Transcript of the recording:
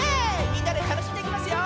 みんなでたのしんでいきますよ！